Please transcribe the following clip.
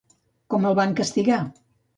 Com el van castigar?